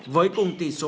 với cùng tỷ số ba